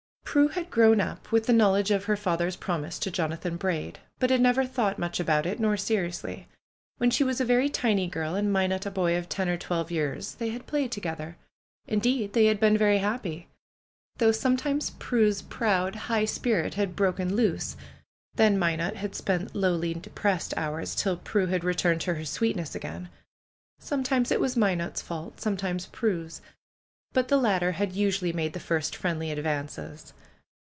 Prue had grown up with the knowledge of her father's promise to Jonathan Braid; but had never thought much about it, nor seriously. When she was a very tiny girl and Minot a boy of ten or twelve years, they had played together. Indeed, they had been very happy. Though sometimes Prue's proud, high spirit had broken loose; then Minot had spent lonely, de pressed hours till Prue had returned to her sweetness again. Sometimes it was Minot's fault; sometimes Prue's ; but the latter had usually made the first friend ly advances.